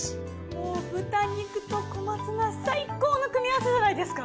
もう豚肉と小松菜最高の組み合わせじゃないですか。